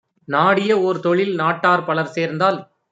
நாடிய ஓர்தொழில் நாட்டார் பலர்சேர்ந்தால்